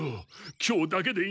今日だけでいいんだ。